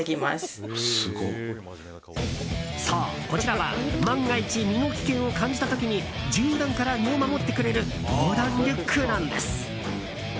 そう、こちらは万が一身の危険を感じた時に銃弾から身を守ってくれる防弾リュックなんです。